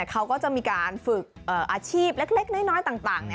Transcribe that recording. เขาก็จะมีการฝึกอาชีพเล็กน้อยต่าง